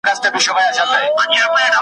شپې لېونۍ وای له پایکوبه خو چي نه تېرېدای .